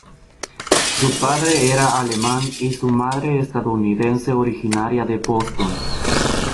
Su padre era alemán y su madre estadounidense originaria de Boston.